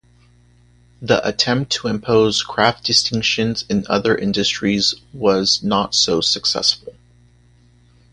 The attempt to impose craft distinctions in other industries was not so successful.